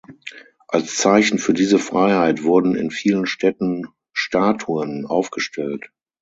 Als Zeichen für diese Freiheit wurden in vielen Städten Statuen aufgestellt.